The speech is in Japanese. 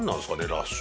ラッシュ。